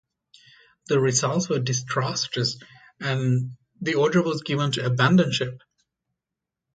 The results were disastrous and the order was given to abandon ship.